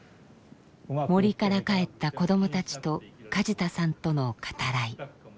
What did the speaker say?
森から帰った子どもたちと梶田さんとの語らい。